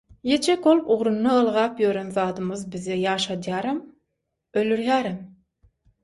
Ýetjek bolup ugrunda ylgap ýören zadymyz bizi ýaşadýaram, öldürýärem.